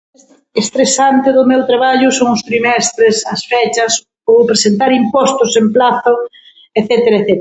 Estresante do meu traballo son os trimestres, as fechas ou presentar impostos en plazo etcétera etcétera.